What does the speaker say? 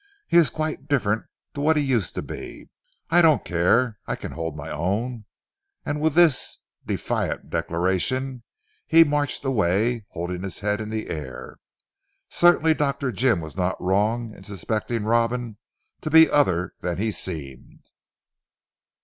"He is quite different to what he used to be. I don't care. I can hold my own," and with this defiant declaration he marched away holding his head in the air. Certainly Dr. Jim was not wrong in suspecting Robin to be other than he seemed.